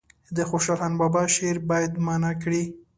د خوشحال بابا شعر باید معنا کړي.